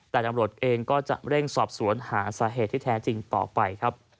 แต่ตำรวจเองก็จะเร่งสอบสวนหาสาเหตุที่แท้จริงต่อไปครับ